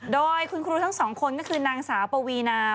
โดยคุณครูทั้งสองคนก็คือนางสาวปวีนา